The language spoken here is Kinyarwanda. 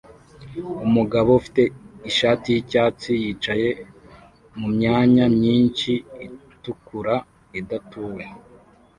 Umugabo ufite ishati yicyatsi yicaye mumyanya myinshi itukura idatuwe